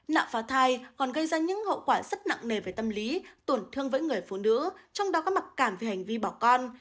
nạo phà thai còn gây ra những hậu quả rất nặng nề về tâm lý tổn thương với người phụ nữ trong đó có mặc cảm về hành vi bảo con